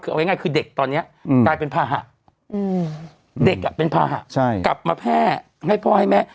คือเอาง่ายคือเด็กตอนนี้กลายเป็นภาหะเด็กเป็นภาหะกลับมาแพร่ให้พ่อให้แม่